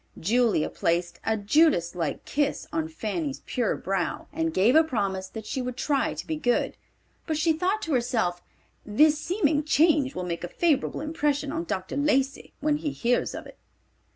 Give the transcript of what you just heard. Julia placed a Judas like kiss on Fanny's pure brow, and gave a promise that she would try to be good; but she thought to herself, "this seeming change will make a favorable impression on Dr. Lacey when he hears of it."